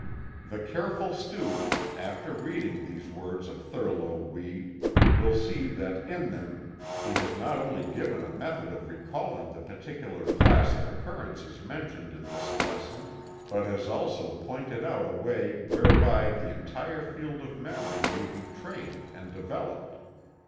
The careful student, after reading these words of Thurlow Weed, will see that in them he has not only given a method of recalling the particular class of occurrences mentioned in this lesson, but has also pointed out a way whereby the entire field of memory may be trained and developed.